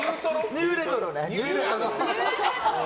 ニューレトロね。